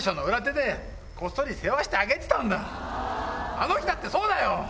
あの日だってそうだよ！